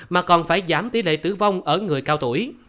mà còn phải giảm tỷ lệ tử vong ở người cao tuổi